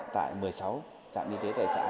tại một mươi sáu trạm y tế tại xã